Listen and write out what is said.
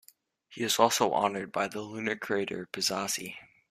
He is also honoured by the lunar crater "Piazzi".